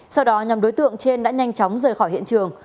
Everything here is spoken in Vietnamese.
sau đó nhóm đối tượng trên đã nhanh chóng rời khỏi hiện trường